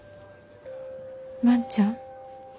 万ちゃん？